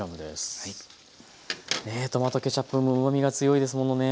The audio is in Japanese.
ねえトマトケチャップもうまみが強いですものね。